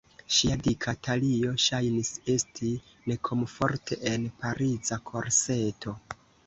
Ŝia dika talio ŝajnis esti nekomforte en Pariza korseto.